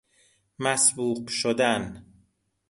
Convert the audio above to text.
مسبوق شدن